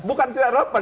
bukan tidak relevan